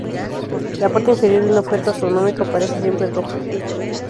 La parte inferior de un objeto astronómico aparece siempre roja.